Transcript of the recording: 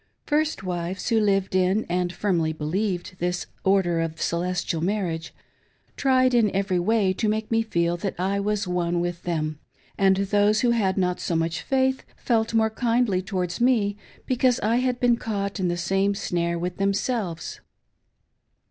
First wives who lived in, and firmly believed, this " Order of Celestial Marriage," tried in every way to make me feel that I was one with them ; and those who had not much faith felt more kindly towards me, because I had been caught in the same snare with themselves.